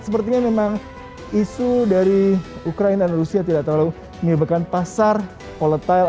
sepertinya memang isu dari ukraina dan rusia tidak terlalu menyebabkan pasar volatile